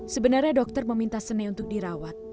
sebenarnya dokter meminta sene untuk dirawat